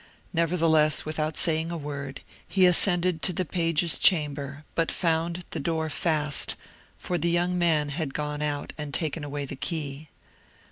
Nevertheless, without saying a word, he ascended to the page's chamber, but found the door fast, for the young man had gone out, and taken away the key.